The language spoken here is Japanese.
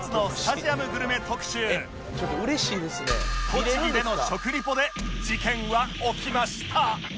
栃木での食リポで事件は起きました